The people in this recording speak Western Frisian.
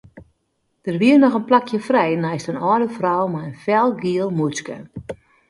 Der wie noch in plakje frij neist in âlde frou mei in felgiel mûtske.